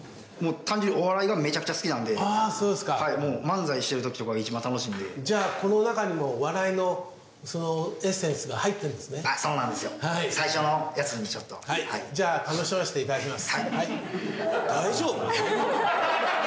単純にお笑いがめちゃくちゃ好きなんでああーそうですかはいもう漫才してるときとかが一番楽しいんでじゃあこの中にも笑いのそのエッセンスが入ってるんですねあっそうなんですよ最初のやつにちょっとはいじゃあ楽しませていただきます